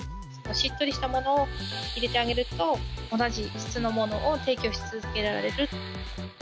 しっとりとしたものを入れてあげると、同じ質のものを提供し続けられる。